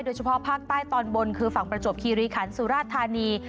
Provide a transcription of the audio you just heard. โดยเฉพาะภาคใต้ตอนบนคือฝั่งประจวบคีรีขันสุราธานี